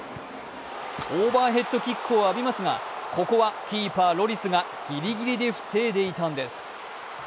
オーバーヘッドキックを浴びますがここはキーパー・ロリスがギリギリで防いでいたんです。